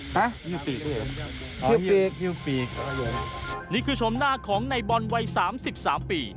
ชีพคลิกนี่คือชมหน้าของไนบอลวัย๓๓ปี